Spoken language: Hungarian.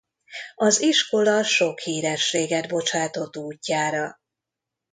Az iskola sok hírességet bocsátott útjára.